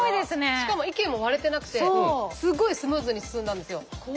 しかも意見も割れてなくてすごいスムーズに進んだんですよ。